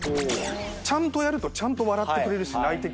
ちゃんとやるとちゃんと笑ってくれるし泣いてくれる。